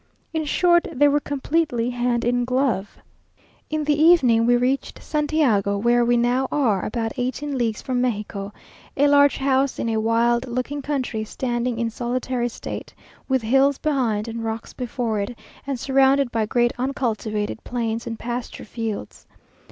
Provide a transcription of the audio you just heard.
In short, they were completely hand in glove. In the evening we reached Santiago, where we now are, about eighteen leagues from Mexico, a large house in a wild looking country, standing in solitary state, with hills behind, and rocks before it, and surrounded by great uncultivated plains and pasture fields.